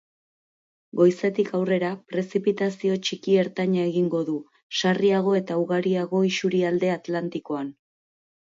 Goizetik aurrera, prezipitazio txiki-ertaina egingo du, sarriago eta ugariago isurialde atlantikoan.